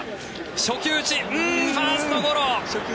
初球打ち、ファーストゴロ。